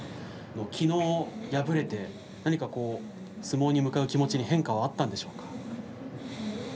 きのう敗れて何か相撲に向かう気持ちに変化はあったんでしょうか？